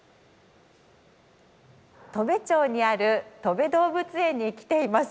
砥部町にあるとべ動物園に来ています。